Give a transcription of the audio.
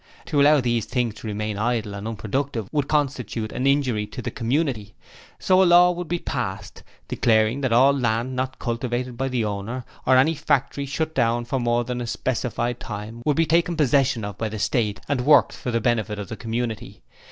To allow these things to remain idle and unproductive would constitute an injury to the community. So a law will be passed, declaring that all land not cultivated by the owner, or any factory shut down for more than a specified time, will be taken possession of by the State and worked for the benefit of the community...